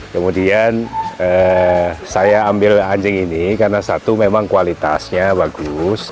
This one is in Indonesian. kemudian saya ambil anjing ini karena satu memang kualitasnya bagus